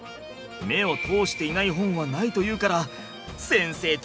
「目を通していない本はない」と言うから先生